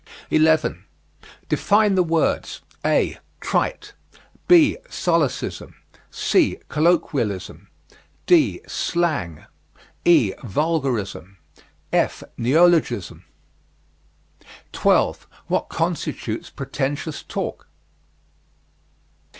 11. Define the words, (a) trite; (b) solecism; (c) colloquialism; (d) slang; (e) vulgarism; (f) neologism. 12. What constitutes pretentious talk?